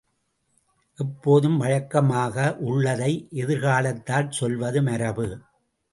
எப்போதும் வழக்கமாக உள்ளதை எதிர்காலத்தால் சொல்வது மரபு.